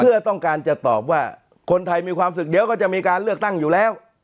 เพื่อต้องการจะตอบว่าคนไทยมีความสุขเดี๋ยวก็จะมีการเลือกตั้งอยู่แล้ว